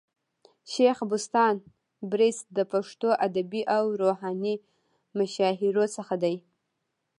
شېخ بُستان بړیڅ د پښتو ادبي او روحاني مشاهيرو څخه دئ.